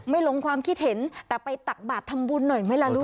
ลงความคิดเห็นแต่ไปตักบาททำบุญหน่อยไหมล่ะลูก